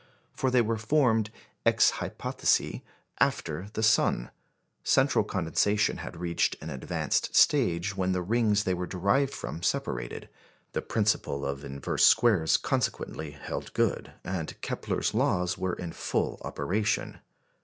For they were formed ex hypothesi after the sun; central condensation had reached an advanced stage when the rings they were derived from separated; the principle of inverse squares consequently held good, and Kepler's Laws were in full operation.